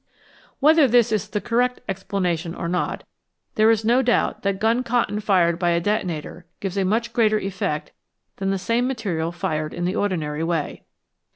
Whether this is the correct explanation or not, there is no doubt that gun cotton fired by a detonator gives a much greater effect than the same material fired in the ordinary way.